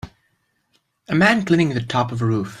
A man cleaning the top of a roof